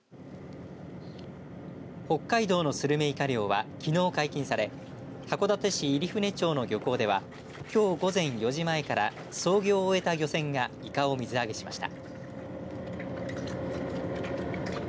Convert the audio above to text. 北海道のスルメイカ漁はきのう解禁され函館市入舟町の漁港ではきょう午前４時前から操業を終えた漁船がイカを水揚げしました。